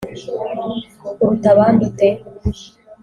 uruta abandi ute?